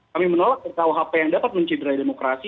kami menolak rkuhp yang dapat menciderai demokrasi